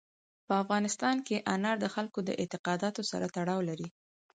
په افغانستان کې انار د خلکو د اعتقاداتو سره تړاو لري.